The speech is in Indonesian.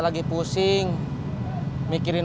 mending berangkat ya